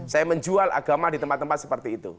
saya menjual agama di tempat tempat seperti itu